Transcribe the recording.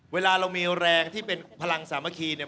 เวลาเรามีแรงที่เป็นพลังสามัคคีเนี่ย